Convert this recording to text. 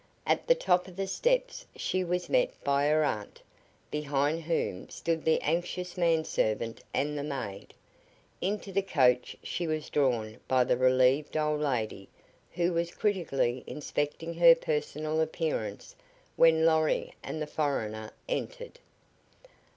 At the top of the steps she was met by her aunt, behind whom stood the anxious man servant and the maid. Into the coach she was drawn by the relieved old lady, who was critically inspecting her personal appearance when Lorry and the foreigner entered.